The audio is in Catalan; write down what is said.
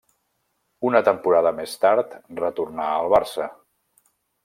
Una temporada més tard retornà al Barça.